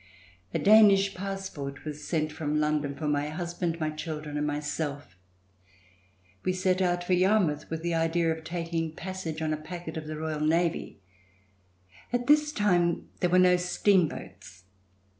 A Danish passport was sent from London for my husband, my children and myself. We set out for Yarmouth with the idea of taking passage on a C303 ] RECOLLECTIONS OF THE REVOLUTION packet of the Royal Marine. At this time there were no steamboats.